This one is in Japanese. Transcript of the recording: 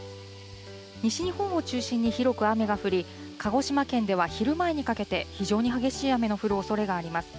西日本を中心に広く雨が降り、鹿児島県では昼前にかけて非常に激しい雨の降るおそれがあります。